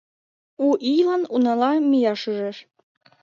У ийлан унала мияш ӱжеш.